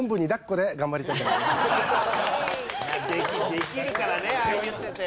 できるからねああ言ってて。